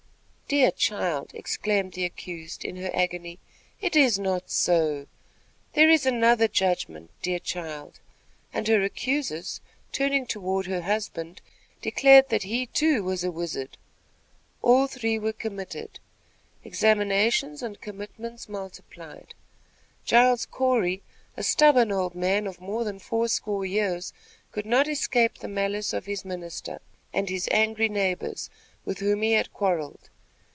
"Dear child!" exclaimed the accused, in her agony, "it is not so. There is another judgment, dear child," and her accusers, turning toward her husband, declared that he, too, was a wizard. All three were committed. Examinations and commitments multiplied. Giles Corey, a stubborn old man of more than four score years, could not escape the malice of his minister and his angry neighbors, with whom he had quarrelled.